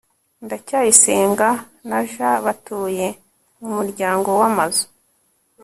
ndacyayisenga na j batuye mumuryango wamazu